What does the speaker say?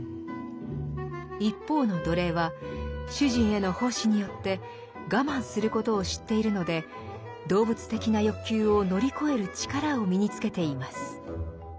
一方の奴隷は主人への奉仕によって我慢することを知っているので動物的な欲求を乗り越える力を身につけています。